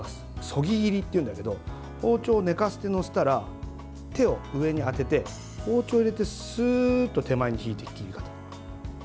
そぎ切りっていうんだけど包丁を寝かせて載せたら手を上に当てて包丁を入れてスーッと手前に引いていく切り方。